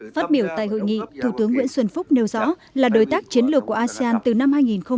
phát biểu tại hội nghị thủ tướng nguyễn xuân phúc nêu rõ là đối tác chiến lược của asean từ năm hai nghìn một mươi năm